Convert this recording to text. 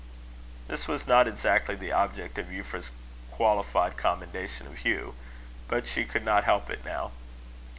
This was not exactly the object of Euphra's qualified commendation of Hugh. But she could not help it now.